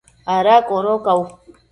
¿ ada codocau?